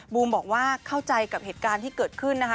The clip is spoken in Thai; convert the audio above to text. บูมบอกว่าเข้าใจกับเหตุการณ์ที่เกิดขึ้นนะคะ